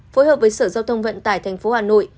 phối hợp với sở giao thông vận tải tp hà nội